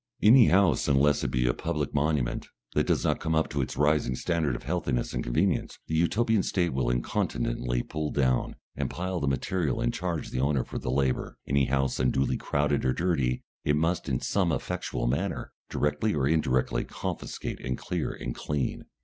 Any house, unless it be a public monument, that does not come up to its rising standard of healthiness and convenience, the Utopian State will incontinently pull down, and pile the material and charge the owner for the labour; any house unduly crowded or dirty, it must in some effectual manner, directly or indirectly, confiscate and clear and clean.